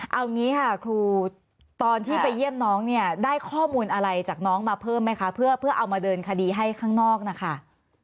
เอางี้ค่ะครูตอนที่ไปเยี่ยมน้องเนี่ยได้ข้อมูลอะไรจากน้องมาเพิ่มไหมคะเพื่อเอามาเดินคดีให้ข้างนอกนะคะ